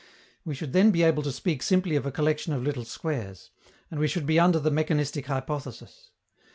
We should then be able to speak simply of a collection of little squares, and we should be under the mechanistic hypothesis.